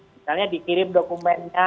misalnya dikirim dokumennya